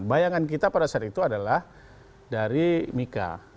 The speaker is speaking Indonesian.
bayangan kita pada saat itu adalah dari mika